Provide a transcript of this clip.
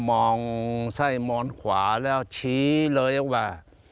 มองไส้มอนขวาแล้วชี้เลยว่า